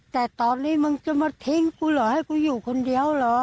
แต่ตอนนี้มึงจะมาทิ้งกูเหรอให้กูอยู่คนเดียวเหรอ